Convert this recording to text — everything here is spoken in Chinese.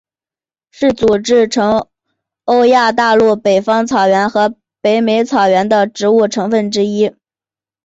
是组成欧亚大陆北方草原和北美草原的植物成分之一。